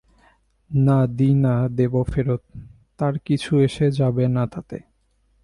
না দিই না দেব ফেরত, তার কিছু এসে যাবে না তাতে।